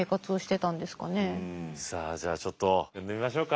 うんさあじゃあちょっと呼んでみましょうか。